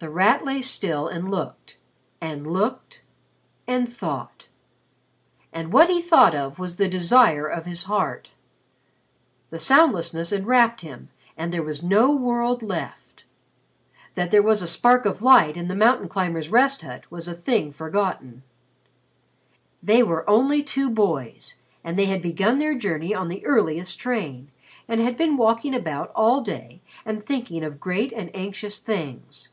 The Rat lay still and looked and looked and thought. And what he thought of was the desire of his heart. The soundlessness enwrapped him and there was no world left. That there was a spark of light in the mountain climbers' rest hut was a thing forgotten. They were only two boys, and they had begun their journey on the earliest train and had been walking about all day and thinking of great and anxious things.